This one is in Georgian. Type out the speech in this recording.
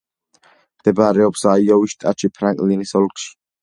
მდებარეობს აიოვის შტატში, ფრანკლინის ოლქში.